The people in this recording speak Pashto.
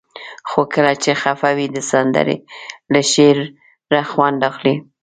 خو کله چې خفه وئ د سندرې له شعره خوند اخلئ.